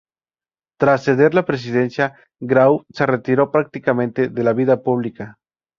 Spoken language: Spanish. Tras ceder la presidencia Grau se retiró prácticamente de la vida pública.